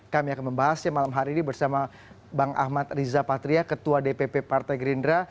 kami akan membahasnya malam hari ini bersama bang ahmad riza patria ketua dpp partai gerindra